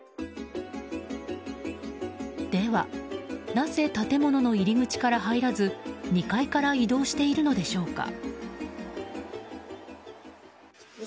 では、なぜ建物の入り口から入らず２階から移動しているのでしょうか。